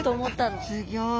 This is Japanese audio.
すギョい。